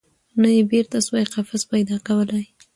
نه یې بیرته سوای قفس پیدا کولای